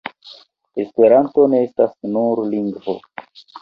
Esperanto ne estas nur lingvo.